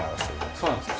そうなんですか？